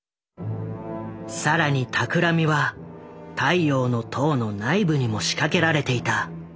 更に企みは「太陽の塔」の内部にも仕掛けられていた。